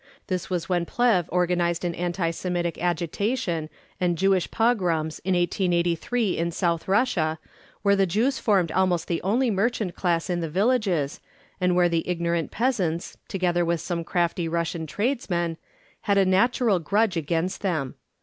This was when Plehve organised an anti Semitic agitation and Jewish pogroms in 1883 in South Russia, where the Jews formed almost the only merchant class in the villages, and where the ignorant peasants, together with some crafty Russian tradesmen, had a natural grudge against them.